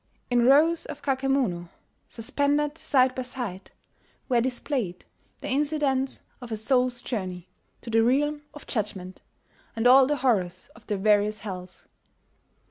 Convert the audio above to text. In rows of kakemono, suspended side by side, were displayed the incidents of a Soul's journey to the realm of judgment, and all the horrors of the various hells.